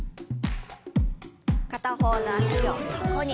片方の脚を横に。